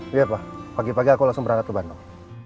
iya pak pagi pagi aku langsung berangkat ke bandung